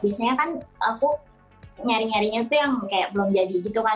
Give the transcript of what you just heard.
biasanya kan aku nyari nyarinya tuh yang kayak belum jadi gitu kan